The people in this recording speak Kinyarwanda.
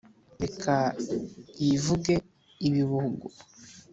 reka yivuge ibihugu